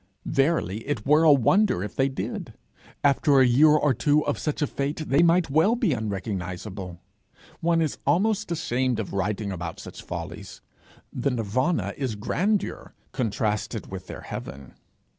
Verily it were a wonder if they did! After a year or two of such a fate, they might well be unrecognizable! One is almost ashamed of writing about such follies. The nirvana is grandeur contrasted with their heaven.